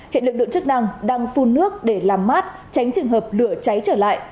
hiện lực lượng chức năng đang phun nước để làm mát tránh trường hợp lửa cháy trở lại